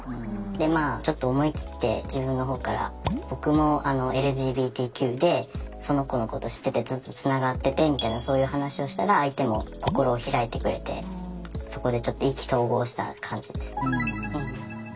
でまあちょっと思い切って自分の方から僕もＬＧＢＴＱでその子のこと知っててずっとつながっててみたいなそういう話をしたら相手も心を開いてくれてそこでちょっと意気投合した感じですね。